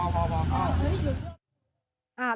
กัน